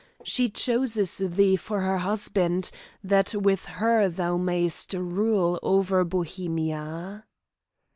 She chooses thee for her husband, that with her thou mayst rule over Bohemia."